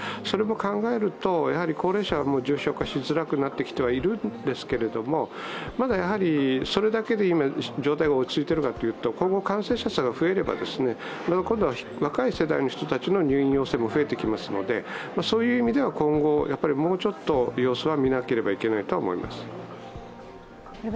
それも考えると高齢者も重症化しづらくなってきてはいるんですけれども、まだそれだけで今、状態が落ち着いているかというと、今後、感染者が増えれば今度は若い世代の人たちの入院も増えてきますのでそういう意味では今後、もうちょっと様子は見なければいけないとは思います。